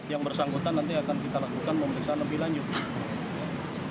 yang bersangkutan nanti akan kita lakukan pemeriksaan lebih lanjut